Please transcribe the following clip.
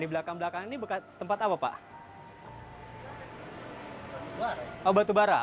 di belakang belakang lahan ini berasal dari batu bara